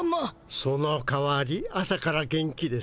そのかわり朝から元気です。